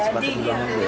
sebatik banget ya